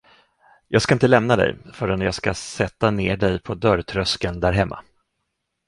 Jag ska inte lämna dig, förrän jag ska sätta ner dig på dörrtröskeln därhemma.